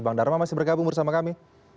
bang dharma masih bergabung bersama kami